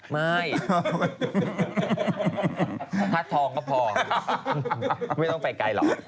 ไม่ถ้าทองก็พอไม่ต้องไปไกลหรอก